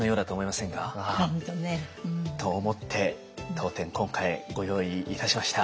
本当ね。と思って当店今回ご用意いたしました。